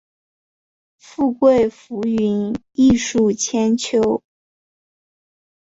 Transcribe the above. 富贵浮云，艺术千秋